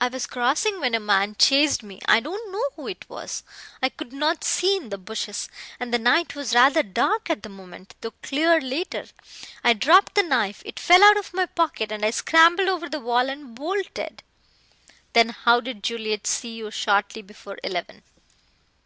I was crossing when a man chased me. I don't know who it was. I could not see in the bushes, and the night was rather dark at the moment, though clear later. I dropped the knife, it fell out of my pocket, and I scrambled over the wall and bolted." "Then how did Juliet see you shortly before eleven?"